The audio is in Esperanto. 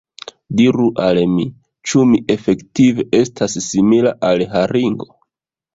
Diru al mi, ĉu mi efektive estas simila al haringo?